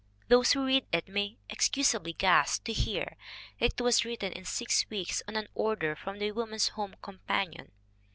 Those who read it may excusably gasp to hear that it was written in six weeks on an order from the Woman's Home Companion.